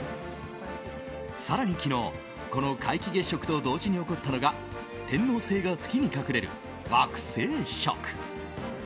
更に昨日、この皆既月食と同時に起こったのが天王星が月に隠れる惑星食。